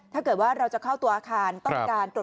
ถ้าเกิดว่าเราจะเข้าตัวอาคารต้องการตรวจ